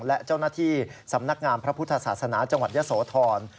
และเจ้าหน้าที่สำนักงามพระพุทธศาสนาจังหวัดยะโสธร